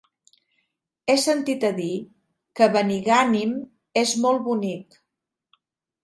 He sentit a dir que Benigànim és molt bonic.